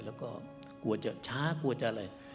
แล้วก็กลัวจะช้ากลัวจะอะไร